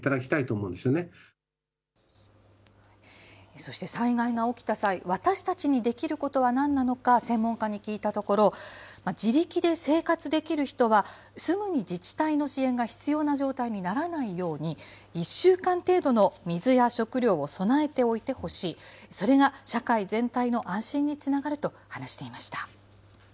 そして、災害が起きた際、私たちにできることは何なのか、専門家に聞いたところ、自力で生活できる人は、すぐに自治体の支援が必要な状態にならないように、１週間程度の水や食料を備えておいてほしい、それが社会全体の安心につながると話していました。